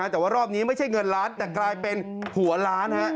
แต่ว่ารอบนี้ไม่ใช่เงินล้านแต่กลายเป็นหัวล้าน